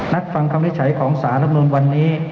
นักฟังคำวินิจฉัยของสารมนตร์วันนี้